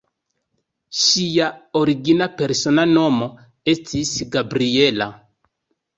Ŝia origina persona nomo estis "Gabriella".